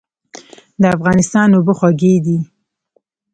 د افغانستان اوبه خوږې دي